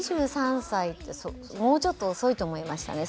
２３歳もうちょっと遅いと思いましたね。